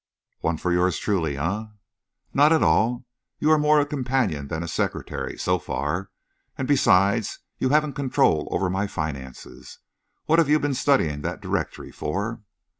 "One for yours truly, eh?" "Not at all. You are more a companion than a secretary, so far, and besides, you haven't control over my finances. What have you been studying that directory for?"